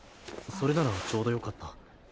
それならちょうどよかった。